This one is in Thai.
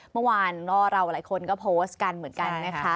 เมื่อวานก็เราหลายคนก็โพสต์กันเหมือนกันนะคะ